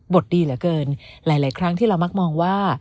ดีเหลือเกินหลายครั้งที่เรามักมองว่า